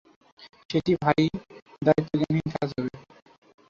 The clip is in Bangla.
সেটা ভারিই দায়িত্বজ্ঞানহীন কাজ হবে।